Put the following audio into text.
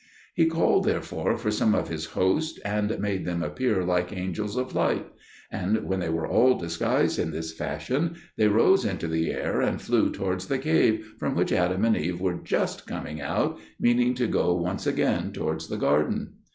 He called therefore for some of his host, and made them appear like angels of light. And when they were all disguised in this fashion, they rose into the air and flew towards the cave, from which Adam and Eve were just coming out, meaning to go once again towards the garden.